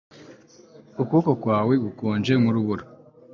Ukuboko kwawe gukonje nkurubura